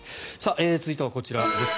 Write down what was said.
続いてはこちらです。